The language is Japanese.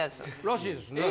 らしいですね。